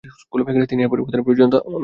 তিনি এর পরিবর্তনের প্রয়োজনীয়তা অনুভব করেন।